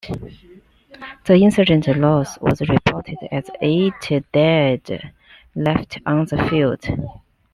The insurgent loss was reported as eight dead, left on the field.